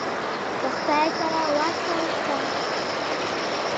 د خدای سره وصل ښه !